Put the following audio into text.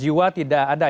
penumpang tujuan bandung